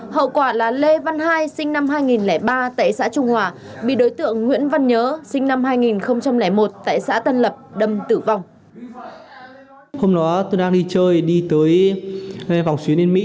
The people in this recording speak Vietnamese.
hậu quả là lê văn hai sinh năm hai nghìn ba tại xã trung hòa bị đối tượng nguyễn văn nhớ sinh năm hai nghìn một tại xã tân lập đâm tử vong